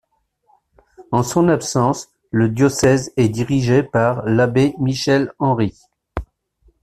En son absence, le diocèse est dirigé par l'Abbé Michel Henry.